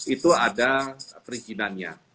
itu ada perizinannya